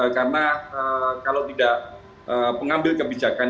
karena kalau tidak pengambil kebijakan